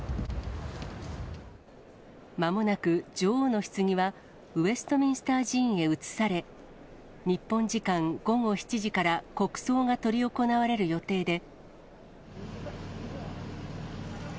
まもなく、女王のひつぎはウェストミンスター寺院へ移され、日本時間午後７時から国葬が執り行われる予定で。